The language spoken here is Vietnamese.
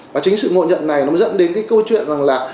và chính sự ngộ nhận này nó dẫn đến cái câu chuyện rằng là